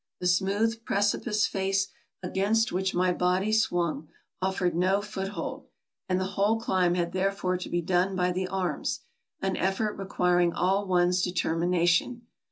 The smooth precipice face against which my body swung offered no foot hold, and the whole climb had therefore to be done by the arms, an effort requiring all one's determination.